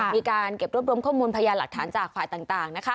มีการเก็บรวบรวมข้อมูลพยานหลักฐานจากฝ่ายต่างนะคะ